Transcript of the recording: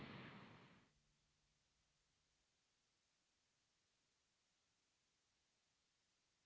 aku akan menolongmu aku akan menolongmu aku akan menolongmu